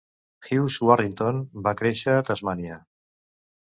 Hughes-Warrington va créixer a Tasmània.